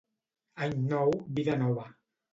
Any nou vida nova